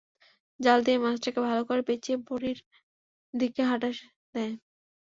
জাল দিয়ে মাছ টাকে ভালো করে পেঁচিয়ে বাড়ির দিকে হাঁটা দেয়।